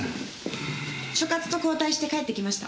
所轄と交代して帰ってきました。